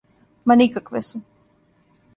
Ма никакве су.